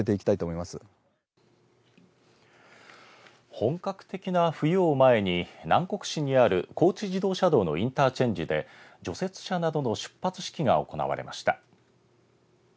本格的な冬を前に南国市にある高知自動車道のインターチェンジで除雪車などの出発式が行われました。